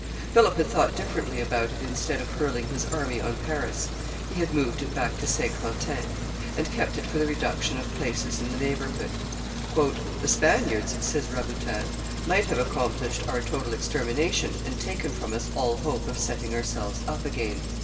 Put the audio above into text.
Philip had thought differently about it instead of hurling his army on Paris, he had moved it back to Saint Quentin, and kept it for the reduction of places in the neighborhood. "The Spaniards," says Rabutin, "might have accomplished our total extermination, and taken from us all hope of setting ourselves up again.